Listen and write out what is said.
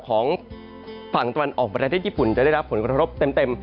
ของฝั่งตะวันออกประเทศญี่ปุ่นจะได้รับผลกระทบเต็ม